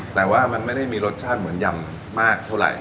แต่ว่ามันไม่ได้มีรสชาติเหมือนยำมากเท่าไหร่